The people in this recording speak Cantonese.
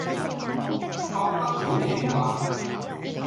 覺得好奇怪